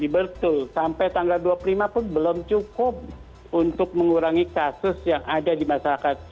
betul sampai tanggal dua puluh lima pun belum cukup untuk mengurangi kasus yang ada di masyarakat